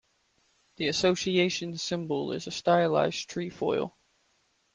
The association's symbol is a stylized trefoil.